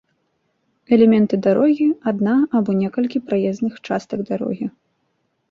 Элементы дарогі — адна або некалькі праезных частак дарогі